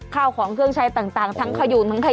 ข้าวของเครื่องใช้ต่างทั้งขยูงทั้งขยะ